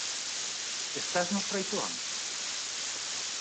Estasnos traizoando?